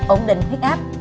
ổn định huyết áp